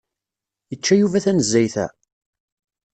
Yečča Yuba tanezzayt-a?